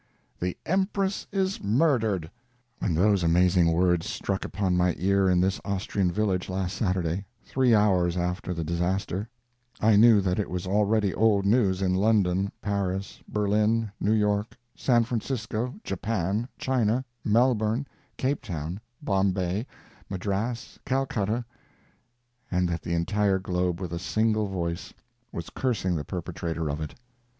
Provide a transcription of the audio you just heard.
"The Empress is murdered!" When those amazing words struck upon my ear in this Austrian village last Saturday, three hours after the disaster, I knew that it was already old news in London, Paris, Berlin, New York, San Francisco, Japan, China, Melbourne, Cape Town, Bombay, Madras, Calcutta, and that the entire globe with a single voice, was cursing the perpetrator of it.